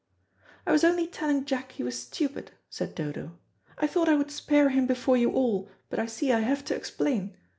"I was only telling. Jack he was stupid," said Dodo. "I thought I would spare him before you all, but I see I have to explain.